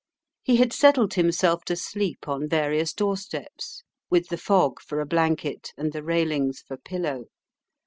He had settled himself to sleep on various doorsteps, with the fog for a blanket and the railings for pillow.